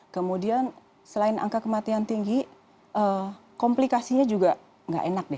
kemudian selain angka kematian tinggi komplikasinya juga nggak enak nih